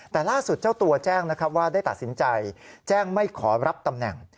แต่ล่าสุดเจ้าตัวแจ้งนะครับว่าได้ตัดสินใจแจ้งไม่ขอรับตำแหน่ง